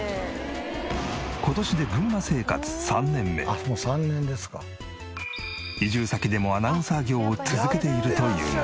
今年で移住先でもアナウンサー業を続けているというが。